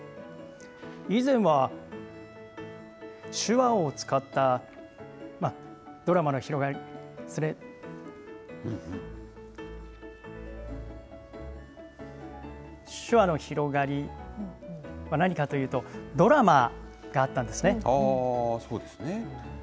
以前は手話を使ったドラマの、手話の広がりは何かというと、ドラマがあったんですね。